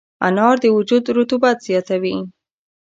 انار د وجود رطوبت زیاتوي.